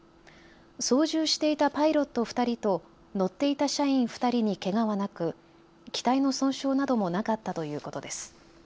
操縦していたパイロット２人と乗っていた社員２人にけがはなく機体の損傷などもなかったということです。